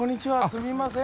すみません。